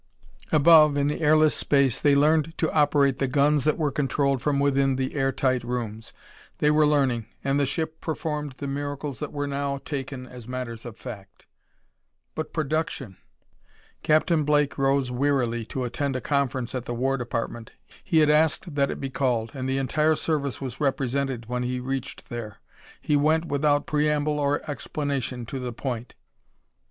Above, in the airless space, they learned to operate the guns that were controlled from within the air tight rooms. They were learning, and the ship performed the miracles that were now taken as matters of fact. But production! Captain Blake rose wearily to attend a conference at the War Department. He had asked that it be called, and the entire service was represented when he reached there. He went without preamble or explanation to the point. "Mr.